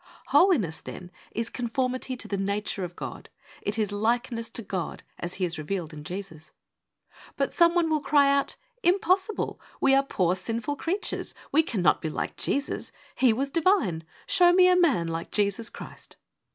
Holiness, then, is conformity to the nature of God. It is likeness to God, as He is revealed in Jesus. But some one will cry out, ' Impossible ! WHAT IS HOLINESS ? 3 We are poor sinful creatures. We cannot be like Jesus. He was Divine. Show me a man like Jesus Christ.